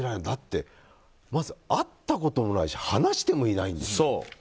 だって、まず会ったこともないし話してもいない。